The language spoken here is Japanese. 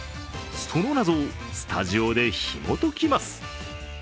その謎をスタジオでひもときます。